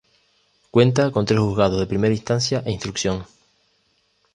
Cuenta con tres Juzgados de Primera Instancia e Instrucción.